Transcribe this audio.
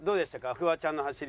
フワちゃんの走り。